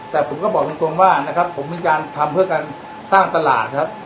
แต่ผมก็บอกตรงว่านะครับผมมีการทำเพื่อการสร้างตลาดครับ